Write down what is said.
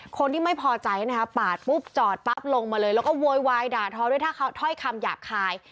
คนที่ไม่พอใจนะคะปาดปุ๊บจอดปั๊บลงมาเลยแล้วก็โวยวายด่าทอด้วยถ้อยคำหยาบคาย